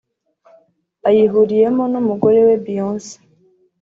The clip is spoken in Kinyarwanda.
Ayihuriyemo n’umugore we Beyoncé